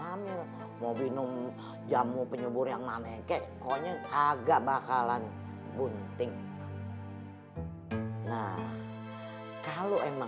hamil mau minum jamu penyubur yang manegeh konyol kagak bakalan bunting nah kalau emang